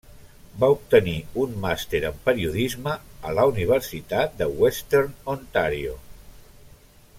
Va obtenir un màster en periodisme a la universitat de 'Western Ontario'.